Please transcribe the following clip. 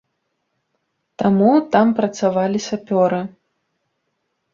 Таму там працавалі сапёры.